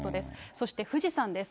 そして富士山です。